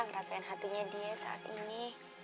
ngerasain hatinya dia saat ini